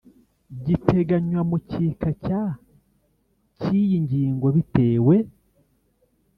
Giteganywa mu gika cya cy iyi ngingo bitewe